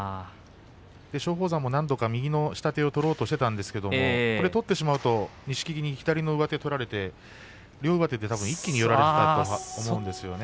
松鳳山も右の下手を取ろうとしたんですが取ってしまうと錦木に左の上手を取られて両上手で一気に寄られていったと思うんですよね。